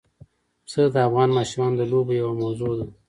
پسه د افغان ماشومانو د لوبو یوه موضوع ده.